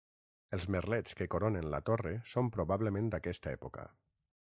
Els merlets que coronen la torre són probablement d'aquesta època.